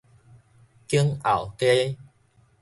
景後街